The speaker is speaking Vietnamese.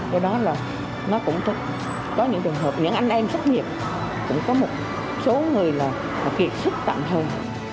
do đó là nó cũng có những trường hợp những anh em sắp nhiệm cũng có một số người là kiệt sức tạm thân